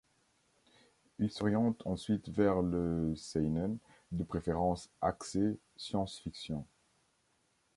Il s'oriente ensuite vers le seinen, de préférence axé science-fiction.